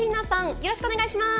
よろしくお願いします。